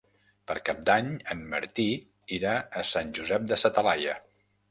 Per Cap d'Any en Martí irà a Sant Josep de sa Talaia.